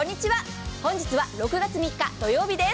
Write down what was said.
本日は６月３日、土曜日です。